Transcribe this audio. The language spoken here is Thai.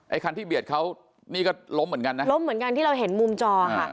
คันที่เบียดเขานี่ก็ล้มเหมือนกันนะล้มเหมือนกันที่เราเห็นมุมจอค่ะ